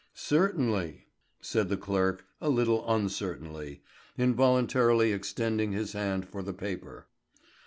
"Certainly," said the clerk, a little uncertainly, involuntarily extending his hand for the paper.